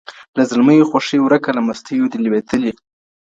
له زلمیو خوښي ورکه له مستیو دي لوېدلي.